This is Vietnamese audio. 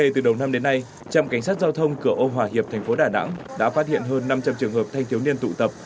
trạm cảnh sát giao thông cửa ô hòa hiệp thành phố đà nẵng đã phát hiện hơn năm trăm linh trường hợp thanh thiếu niên tụ tập